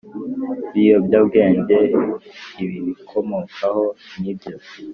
biyobyabwenge ibibikomokaho n ibyo